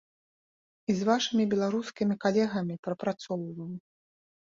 І з вашымі беларускімі калегамі прапрацоўваў.